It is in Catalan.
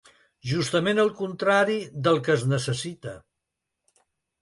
Justament el contrari del que es necessita.